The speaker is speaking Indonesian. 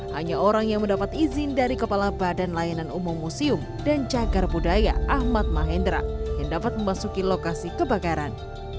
hanya orang yang mendapat izin dari kepala badan layanan umum museum dan cagar budaya ahmad mahendra yang dapat memasuki lokasi kebakaran